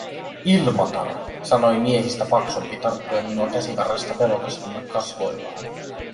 "Ilmatar", sanoi miehistä paksumpi tarttuen minua käsivarresta pelokas ilme kasvoillaan.